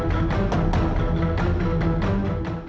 lepasin pak randy